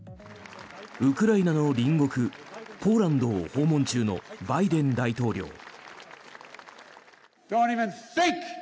ウクライナの隣国ポーランドを訪問中のバイデン大統領。